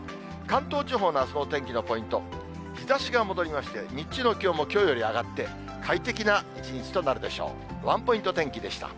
関東地方のあすのお天気のポイント、日ざしが戻りまして、日中の気温もきょうより上がって、快適な一日となるでしょう。